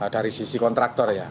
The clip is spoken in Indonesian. dari sisi kontraktor ya